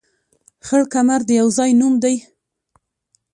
خړ کمر د يو ځاى نوم دى